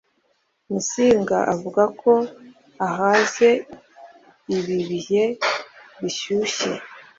Musinga avuga ko ahaze ibi bihe bishyushye.